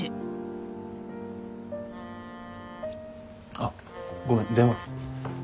あっごめん電話。